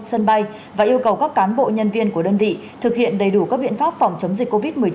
sân bay và yêu cầu các cán bộ nhân viên của đơn vị thực hiện đầy đủ các biện pháp phòng chống dịch covid một mươi chín